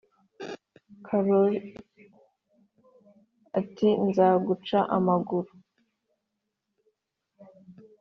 karori ati nzaguca amaguru